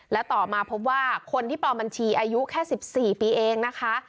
และต่อมาพบว่าคนที่ปลอมบัญชีอายุแค่๑๔ปีเองนะคะ